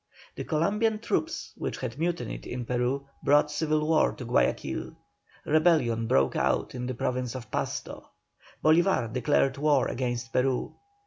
The Columbian troops which had mutinied in Peru brought civil war to Guayaquil. Rebellion broke out in the Province of Pasto. Bolívar declared war against Peru.